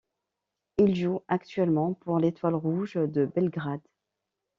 Il joue actuellement pour l'Étoile Rouge de Belgrade.